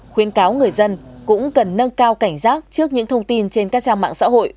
khuyến cáo người dân cũng cần nâng cao cảnh giác trước những thông tin trên các trang mạng xã hội